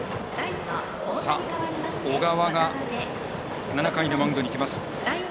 小川が７回のマウンドにいきます。